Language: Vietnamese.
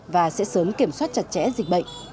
và sẽ sớm kiểm soát chặt chẽ dịch bệnh